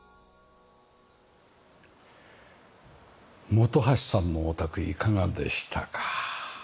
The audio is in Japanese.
本橋さんのお宅いかがでしたか？